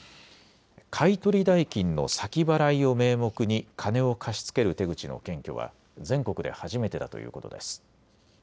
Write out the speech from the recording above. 買い取り代金の先払いを名目に金を貸し付ける手口の検挙は全国で初めてだということです。